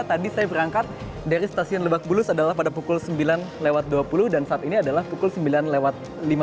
tadi saya berangkat dari stasiun lebak bulus adalah pada pukul sembilan lewat dua puluh dan saat ini adalah pukul sembilan lewat lima puluh